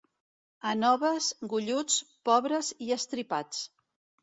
A Noves, golluts, pobres i estripats.